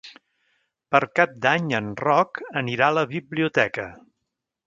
Per Cap d'Any en Roc anirà a la biblioteca.